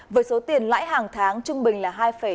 với số tiền lãi hàng tháng trung bình là hai bảy